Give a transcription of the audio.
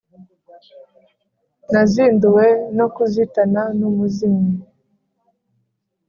nazinduwe no kuzitana n'umuzimyi